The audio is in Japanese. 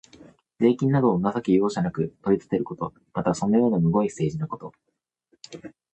税金などを情け容赦なく取り立てること。また、そのようなむごい政治のこと。